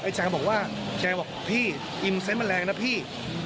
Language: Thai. ไอ้แจงบอกว่าแจงบอกพี่อิ่มเซ็นต์แมลงนะพี่